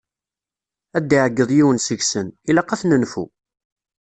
Ad d-iɛegeḍ yiwen seg-sen: ilaq ad t-nenfu!